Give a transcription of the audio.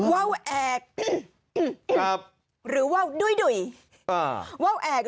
ว้าวแอก